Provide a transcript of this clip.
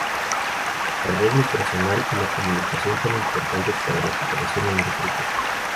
Su arreglo personal y la comunicación son importantes para la cooperación en el grupo.